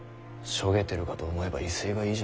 しょげてるかと思えば威勢がいいじゃねぇか。